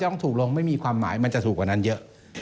ต้องถูกลงไม่มีความหมายมันจะถูกกว่านั้นเยอะ